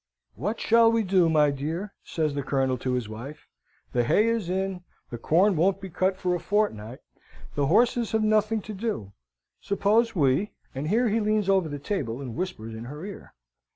"What shall we do, my dear?" says the Colonel to his wife. "The hay is in, the corn won't be cut for a fortnight, the horses have nothing to do. Suppose we..." And here he leans over the table and whispers in her ear.